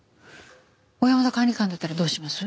小山田管理官だったらどうします？